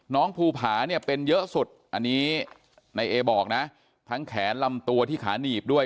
ภูผาเนี่ยเป็นเยอะสุดอันนี้นายเอบอกนะทั้งแขนลำตัวที่ขาหนีบด้วย